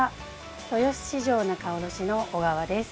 豊洲市場仲卸の小川です。